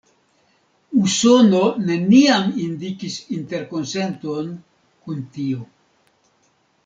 Usono neniam indikis interkonsenton kun tio.